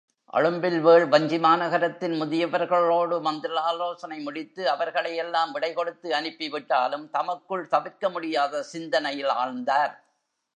அழும்பில்வேள் வஞ்சிமாநகரத்தின் முதியவர்களோடு மந்திராலோசனை முடித்து அவர்களை எல்லாம் விடைகொடுத்து அனுப்பி விட்டாலும் தமக்குள் தவிர்க்கமுடியாத சிந்தனையில் ஆழ்ந்தார்.